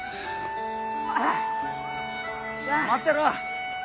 待ってろ！